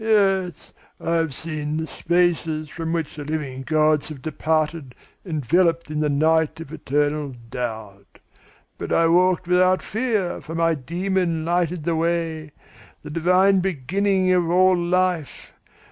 Yes, I have seen the spaces from which the living gods have departed enveloped in the night of eternal doubt. But I walked without fear, for my 'Daemon' lighted the way, the divine beginning of all life.